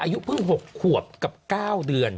อายุเพิ่ง๖ขวบกับ๙เดือน